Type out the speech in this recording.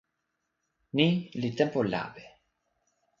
ni li tenpo lape.